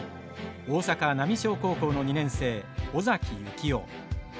大阪浪商高校の２年生尾崎行雄。